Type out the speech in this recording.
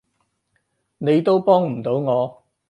你都幫唔到我